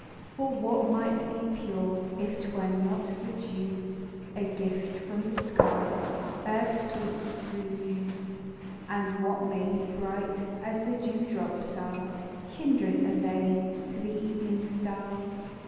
For what might be pure, If 'twere not the dew P V gift from the skies Earth's sweets to renew. What may be bright As the dew drops are ? 70 TIIE DEW DROP. ! f I Kindred are they To the evening star.